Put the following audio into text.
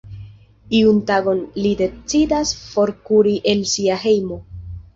Iun tagon li decidas forkuri el sia hejmo.